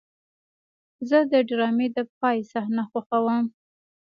زه د ډرامې د پای صحنه خوښوم.